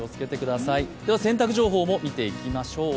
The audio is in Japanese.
では、洗濯情報も見ていきましょう。